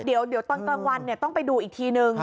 เดี๋ยวตอนกลางวันต้องไปดูอีกทีนึง